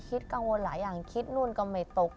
คิดกังวลหลายอย่างคิดเหมือนกับคนอื่นกับคนไม่ตก